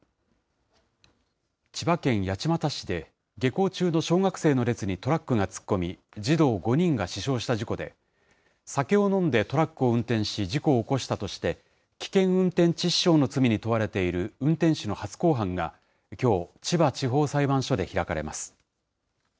千葉県八街市で、下校中の小学生の列にトラックが突っ込み、児童５人が死傷した事故で、酒を飲んでトラックを運転し、事故を起こしたとして、危険運転致死傷の罪に問われている運転手の初公判がきょう、千葉地方裁判所で開かれます。